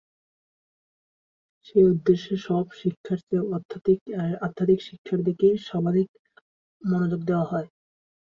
সে উদ্দেশ্যে অন্য সব শিক্ষার চেয়ে আধ্যাত্মিক শিক্ষার দিকেই সমধিক মনোযোগ দেওয়া হয়।